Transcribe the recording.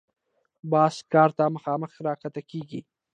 باز ښکار ته مخامخ راښکته کېږي